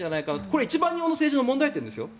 これ、一番日本の政治の問題点ですよ。